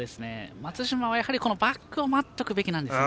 松島はバックを待っておくべきなんですね。